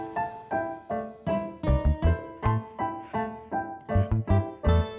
kan kita mau main terang terangan